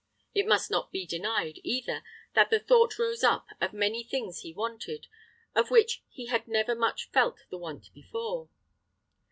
It must not be denied, either, that the thought rose up of many things he wanted, of which he had never much felt the want before.